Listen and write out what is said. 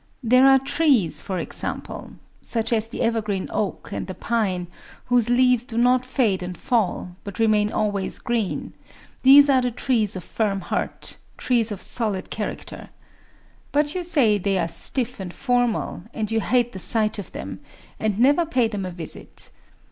There are trees, for example,—such as the evergreen oak and the pine,—whose leaves do not fade and fall, but remain always green;—these are trees of firm heart, trees of solid character. But you say that they are stiff and formal; and you hate the sight of them, and never pay them a visit.